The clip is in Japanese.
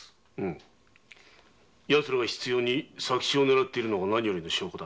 奴らが執拗に佐吉をねらっているのが何よりの証拠だ。